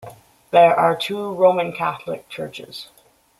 There are two Roman Catholic churches.